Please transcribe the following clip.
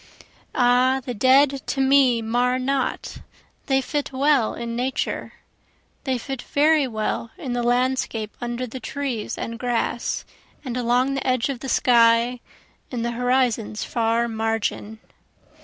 Ah the dead to me mar not, they fit well in Nature, They fit very well in the landscape under the trees and grass, And along the edge of the sky in the horizon's far margin.